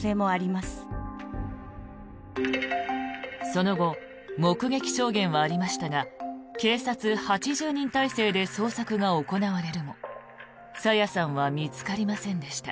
その後目撃証言はありましたが警察８０人態勢で捜索が行われるも朝芽さんは見つかりませんでした。